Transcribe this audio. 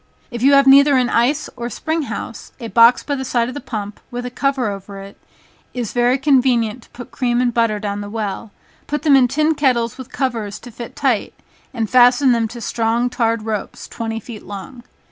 If you have neither an ice, or spring house, a box by the side of the pump, with a cover over it, is very convenient to put cream and butter down the well, put them in tin kettles with covers to fit tight, and fasten them to strong tarred ropes twenty feet long.